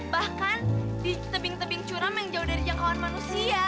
bahkan di tebing tebing curam yang jauh dari jangkauan manusia